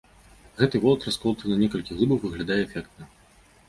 Гэты волат, расколаты на некалькі глыбаў, выглядае эфектна.